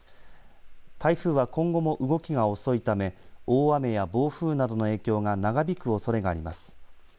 台風は今後も動きが遅いため大雨や暴風などの影響が長引くおそれがあります。